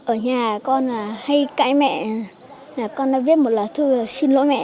ở nhà con hay cãi mẹ con đã viết một lời thư xin lỗi mẹ